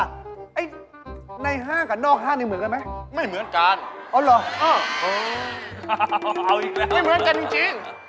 ไอ้ในห้างกับนอกห้างยังเหมือนกันไหมไม่เหมือนกันเอ้อเหรอไม่เหมือนกันจริง